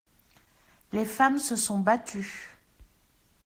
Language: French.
Les femmes se sont battues.